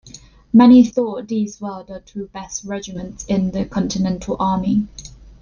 Many thought these were the two best regiments in the Continental Army.